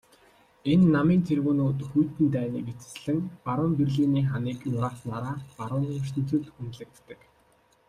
Энэ намын тэргүүнүүд хүйтэн дайныг эцэслэн баруун Берлиний ханыг нурааснаараа барууны ертөнцөд үнэлэгддэг.